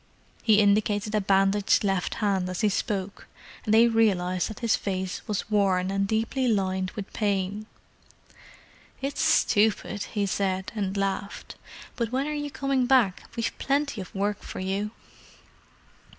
He indicated a bandaged left hand as he spoke, and they realized that his face was worn, and deeply lined with pain. "It's stupid," he said, and laughed. "But when are you coming back? We've plenty of work for you."